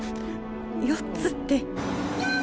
４つって。